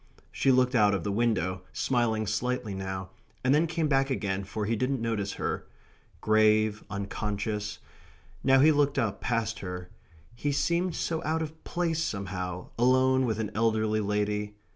She looked out of the window, smiling slightly now, and then came back again, for he didn't notice her. Grave, unconscious... now he looked up, past her... he seemed so out of place, somehow, alone with an elderly lady...